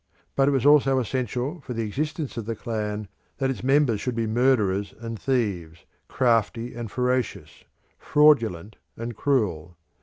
But it was also essential for the existence of the clan that its members should be murderers and thieves, crafty and ferocious; fraudulent and cruel.